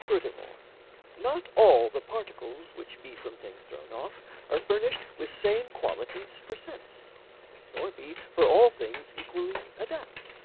Furthermore, not all The particles which be from things thrown off Are furnished with same qualities for sense, Nor be for all things equally adapt.